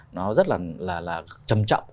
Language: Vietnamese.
nó rất là trầm trọng